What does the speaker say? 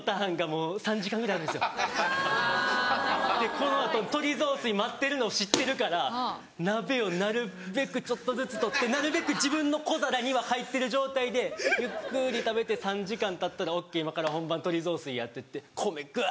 この後鶏雑炊待ってるの知ってるから鍋をなるべくちょっとずつ取ってなるべく自分の小皿には入ってる状態でゆっくり食べて３時間たったら「ＯＫ今から本番鶏雑炊や」って言って米ぐわ！